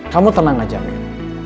kamu tenang aja mil